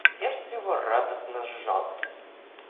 Сердце его радостно сжалось.